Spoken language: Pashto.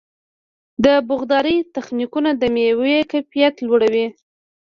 د باغدارۍ تخنیکونه د مېوو کیفیت لوړوي.